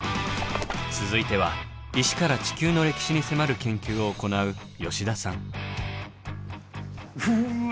続いては石から地球の歴史に迫る研究を行ううわ